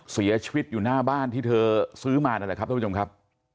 เสียชีวิตอยู่หน้าบ้านที่เธอซื้อมานั่นแหละครับท่านผู้ชมครับ